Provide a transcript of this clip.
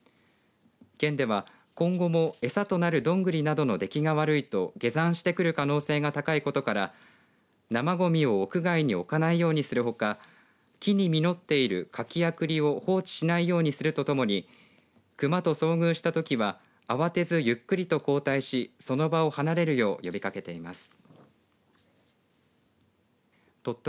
県では今後も餌となるドングリなどの出来が悪いと下山してくる可能性が高いことから生ごみを屋外に置かないようにするほか木に実っている柿やクリを放置しないようにするとともにクマと遭遇したときは慌てずゆっくりと後退しその場を離れるよう呼びかけています。